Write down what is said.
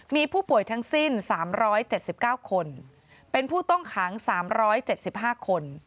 มีผู้ป่วยทั้งสิ้น๓๗๙คนเป็นผู้ต้องขัง๓๗๕คน